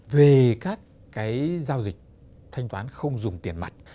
về các cái giao dịch thanh toán không dùng tiền mặt